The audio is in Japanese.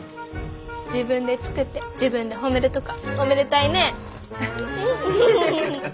自分で作って自分で褒めるとかおめでたいねえ。